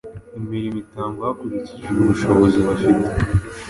Imirimo itangwa hakurikijwe ubushobozi bafite.